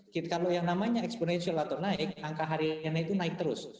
kalau yang namanya exponantial atau naik angka hariannya itu naik terus